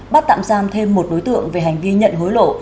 bắt tạm giam thêm một đối tượng về hành vi nhận hối lộ